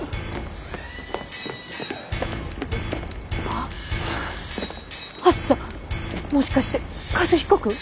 あっはっさもしかして和彦君？